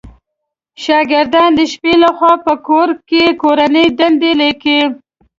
شاګردان د شپې لخوا په کور کې کورنۍ دنده ليکئ